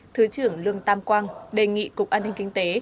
thứ trưởng lương tam quang đề nghị cục an ninh kinh tế